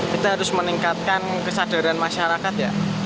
kita harus meningkatkan kesadaran masyarakat ya